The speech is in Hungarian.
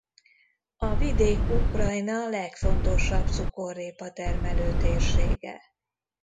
A vidék Ukrajna legfontosabb cukorrépa-termelő térsége.